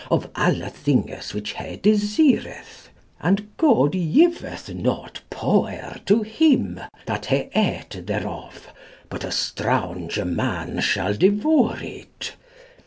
of alle thingis whichz he desirith; and God3yueth not power* to hym, that he ete therof, but a straunge man shal deuoure it.